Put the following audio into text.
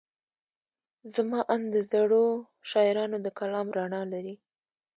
زما اند د زړو شاعرانو د کلام رڼا لري.